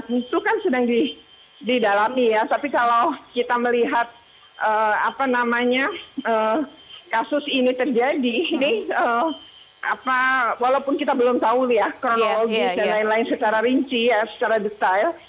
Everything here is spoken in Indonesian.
itu kan sedang didalami ya tapi kalau kita melihat apa namanya kasus ini terjadi ini walaupun kita belum tahu ya kronologis dan lain lain secara rinci ya secara detail